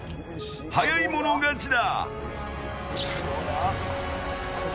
早い者勝ちだ！